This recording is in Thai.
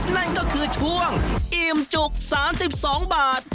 นั่นก็คือช่วงอิ่มจุก๓๒บาท